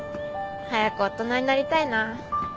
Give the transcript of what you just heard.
早く大人になりたいな。